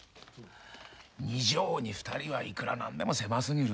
２畳に２人はいくら何でも狭すぎる。